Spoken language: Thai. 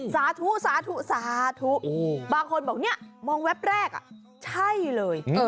สาธุบางคนบอกมองแว็บแรกใช่เลย